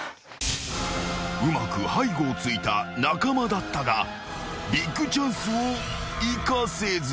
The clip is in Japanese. ［うまく背後をついた中間だったがビッグチャンスを生かせず］